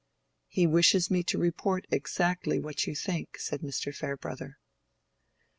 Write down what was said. "He wishes me to report exactly what you think," said Mr. Farebrother.